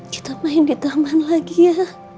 kita main di taman lagi ya